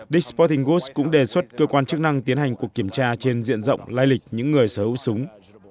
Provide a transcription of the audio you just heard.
dick s sporting goods cũng đề xuất cơ quan chức năng tiến hành cuộc kiểm tra trên diện rộng lai lịch những người sở hữu súng